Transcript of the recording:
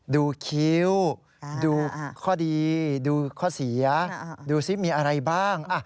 คิ้วดูข้อดีดูข้อเสียดูซิมีอะไรบ้าง